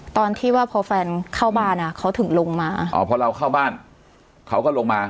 ตอนที่ว่าพอแฟนเข้าบ้านอ่ะเขาถึงลงมาอ๋อพอเราเข้าบ้านเขาก็ลงมา